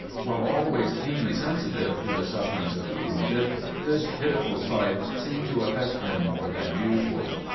While always keenly sensi tive to the sufferings of the wounded, this pitiful sight seemed to affect him more than usual.